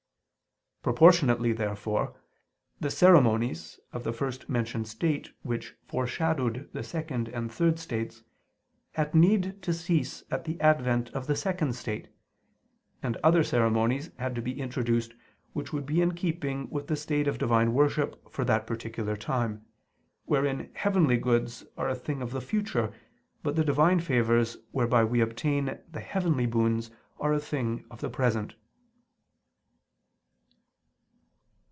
Proportionately, therefore, the ceremonies of the first mentioned state which foreshadowed the second and third states, had need to cease at the advent of the second state; and other ceremonies had to be introduced which would be in keeping with the state of divine worship for that particular time, wherein heavenly goods are a thing of the future, but the Divine favors whereby we obtain the heavenly boons are a thing of the present.